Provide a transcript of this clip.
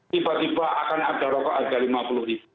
tiba tiba akan ada rokok harga rp lima puluh